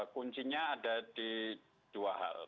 kuncinya ada di dua hal